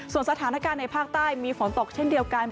ส่วนสถานการณ์ในภาคใต้มีฝนตกเช่นเดียวกัน